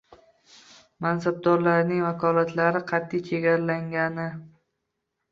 Mansabdorlarning vakolatlari qat’iy chegaralangani